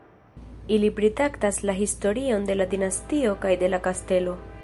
Ili pritraktas la historion de la dinastio kaj de la kastelo.